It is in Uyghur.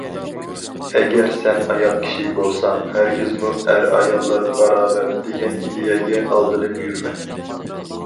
ئەگەر سەن ئايال كىشى بولساڭ، ھەرگىزمۇ« ئەر- ئاياللار باراۋەر» دېگەن ئىدىيەگە ئالدىنىپ يۈرمە.